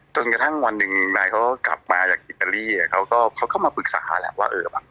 จนกระทั่งวันหนึ่งกลับมาจากอิตาลีเขาก็มาปรึกษา